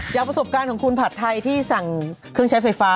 ประสบการณ์ของคุณผัดไทยที่สั่งเครื่องใช้ไฟฟ้า